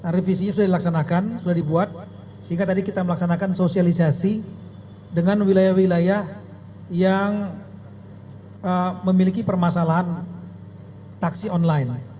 revisinya sudah dilaksanakan sudah dibuat sehingga tadi kita melaksanakan sosialisasi dengan wilayah wilayah yang memiliki permasalahan taksi online